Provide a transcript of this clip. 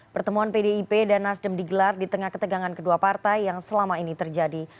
pertemuan pdip dan nasdem digelar di tengah ketegangan kedua partai yang selama ini terjadi